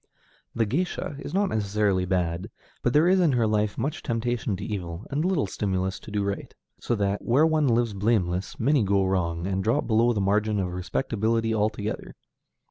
The géisha is not necessarily bad, but there is in her life much temptation to evil, and little stimulus to do right, so that, where one lives blameless, many go wrong, and drop below the margin of respectability altogether.